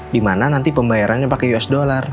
dimana nanti pembayarannya pake usd